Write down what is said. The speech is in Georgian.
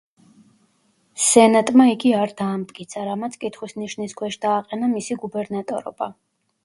სენატმა იგი არ დაამტკიცა, რამაც კითხვის ნიშნის ქვეშ დააყენა მისი გუბერნატორობა.